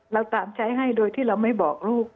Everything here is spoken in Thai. เราตามใช้ให้โดยที่เราไม่บอกลูก